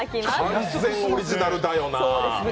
完全オリジナルだよな。